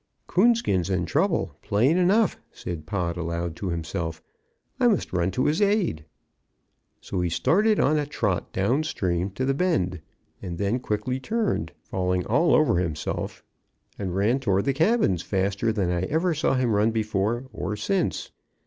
"Coonskin's in trouble, plain enough," said Pod aloud to himself, "I must run to his aid." So he started on a trot down stream to the bend, and then quickly turned, falling all over himself, and ran toward the cabins faster than I ever saw him run before or since.